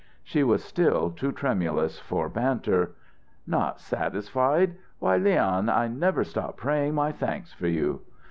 She was still too tremulous for banter. "'Not satisfied?' Why, Leon, I never stop praying my thanks for you!"